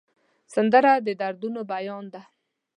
سندره د دردونو بیان ده